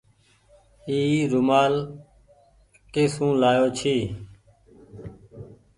اي رومآل ڪي سون لآيو ڇي۔